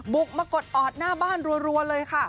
มากดออดหน้าบ้านรัวเลยค่ะ